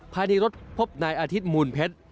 ภายในรถพบนายอาทิตย์มูลเพชร